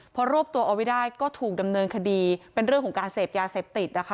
พอรวบตัวเอาไว้ได้ก็ถูกดำเนินคดีเป็นเรื่องของการเสพยาเสพติดนะคะ